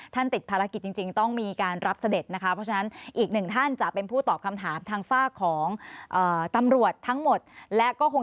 แต่ประมาณ๑๐นาทีก่อนเวลาเข้าค่ะ